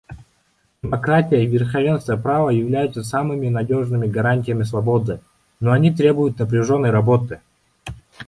Демократия и верховенство права являются самыми надежными гарантиями свободы, но они требуют напряженной работы.